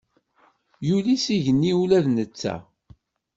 Yuli s igenni ula d netta.